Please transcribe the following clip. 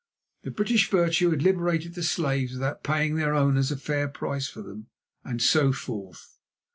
That British virtue had liberated the slaves without paying their owners a fair price for them, and so forth.